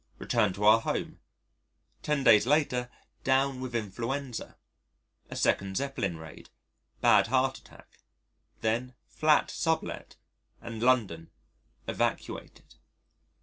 Return to our home. Ten days later, down with influenza. A second Zeppelin raid. Bad heart attack. Then flat sub let and London evacuated.